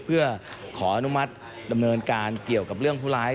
เพื่อขออนุมัติดำเนินการเกี่ยวกับเรื่องผู้ร้าย